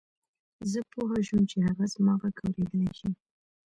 زه پوه شوم چې هغه زما غږ اورېدلای شي